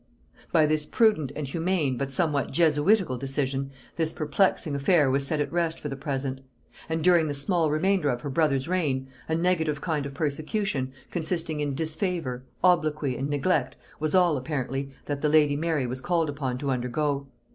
] By this prudent and humane but somewhat jesuitical decision this perplexing affair was set at rest for the present; and during the small remainder of her brother's reign, a negative kind of persecution, consisting in disfavor, obloquy, and neglect, was all, apparently, that the lady Mary was called upon to undergo.